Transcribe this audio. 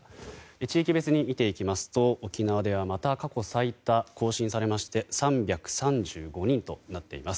地域別に見ていきますと沖縄では、また過去最多が更新されまして３３５人となっています。